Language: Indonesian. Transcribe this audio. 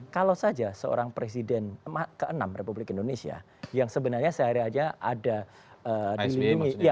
kalau saja seorang presiden ke enam republik indonesia yang sebenarnya sehari aja ada dilindungi